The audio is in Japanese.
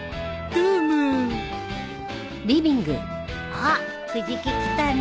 あっ藤木来たね。